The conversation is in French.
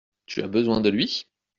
Tu as besoin de lui ?